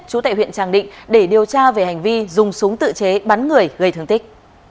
chú tệ huyện tràng định để điều tra về hành vi dùng súng tự chế bắn người gây thương tích